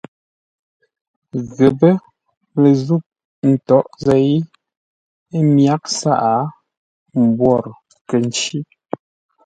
Ghəpə́ lə zûʼ ntǎghʼ zêi, ə́ myǎghʼ sǎʼ, mbwórə kə̂ ncí.